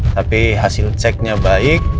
tapi hasil ceknya baik